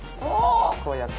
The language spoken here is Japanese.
こうやって。